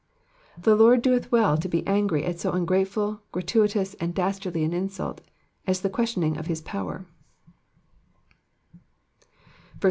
The Lord doeth well to be angry at so ungrateful, gratuitous and dastardly an insult as the questioning of his power.